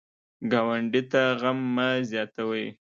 ګاونډي ته غم مه زیاتوئ